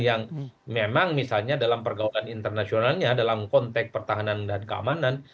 yang memang misalnya dalam pergaulan internasionalnya dalam konteks pertahanan dan keamanan